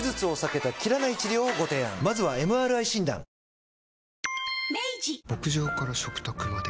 ニトリ牧場から食卓まで。